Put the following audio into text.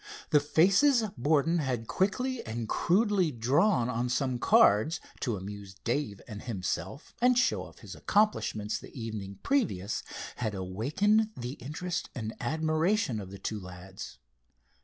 The faces Borden had quickly and crudely drawn on some cards, to amuse Dave and himself, and show off his accomplishments, the evening previous, had awakened the interest and admiration of the two lads.